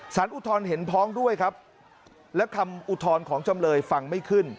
สารอุทธรณ์เห็นพ้องด้วยครับ